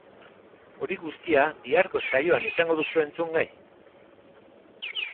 Hori guztia biharko saioan izango duzue entzungai!